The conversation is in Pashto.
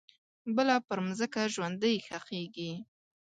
بله پرمځکه ژوندۍ ښخیږې